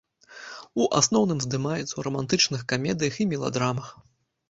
У асноўным здымаецца ў рамантычных камедыях і меладрамах.